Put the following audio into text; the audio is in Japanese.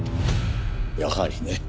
やはりね。